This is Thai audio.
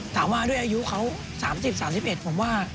ถามว่าด้วยอายุเขา๓๐๓๑ผมว่า